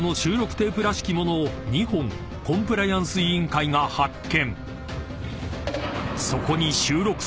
テープらしき物を２本コンプライアンス委員会が発見］